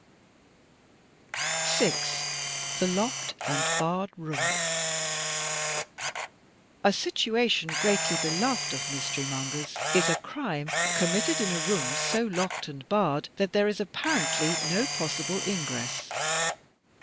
6, The Locked and Barred Room A situation greatly beloved of mystery mongers is a crime committed in a room so locked and barred that there is appar ently no possible ingress.